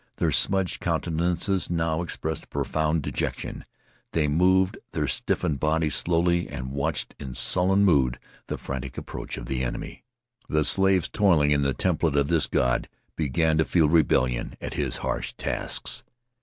Their smudged countenances now expressed a profound dejection. They moved their stiffened bodies slowly, and watched in sullen mood the frantic approach of the enemy. The slaves toiling in the temple of this god began to feel rebellion at his harsh tasks.